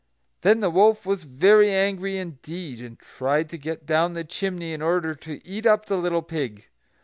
Then the wolf was very angry indeed, and tried to get down the chimney in order to eat up the little pig.